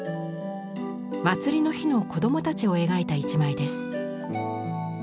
祭りの日の子供たちを描いた一枚です。